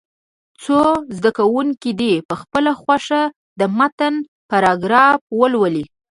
څو زده کوونکي دې په خپله خوښه د متن پاراګرافونه ولولي.